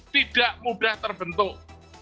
tidak mudah terbentuk